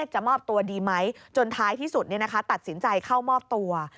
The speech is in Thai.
จะมอบตัวดีไหมจนท้ายที่สุดตัดสินใจเข้ามอบตัว